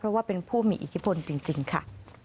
เพราะว่าเป็นผู้มีอิทธิพลจริงค่ะ